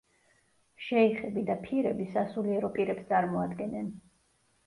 შეიხები და ფირები სასულიერო პირებს წარმოადგენენ.